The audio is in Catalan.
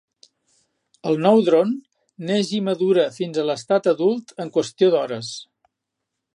El nou dron neix i madura fins a l'estat adult en qüestió d'hores.